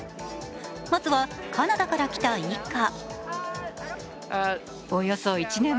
まずはカナダから来た一家。